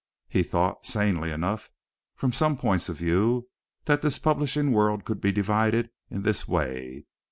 He thought, sanely enough from some points of view, that this publishing world could be divided in this way.